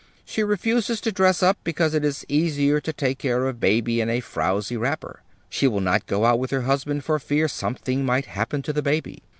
She refuses to dress up, because it is easier to take care of baby in a frowzy wrapper. She will not go out with her husband for fear something might happen to the baby.